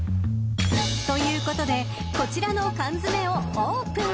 ［ということでこちらの缶詰をオープン］